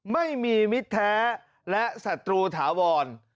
ไม่มีมิตรแท้และศัตรูถาวร